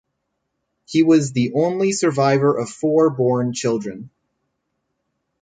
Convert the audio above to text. He was the only survivor of four born children.